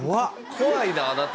怖いなあなた。